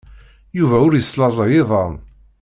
Yuba ur yeslaẓay iḍan.